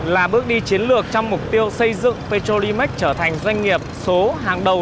là bước đi chiến lược trong mục tiêu xây dựng petrolimax trở thành doanh nghiệp số hàng đầu